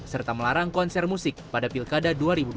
serta melarang konser musik pada pilkada dua ribu dua puluh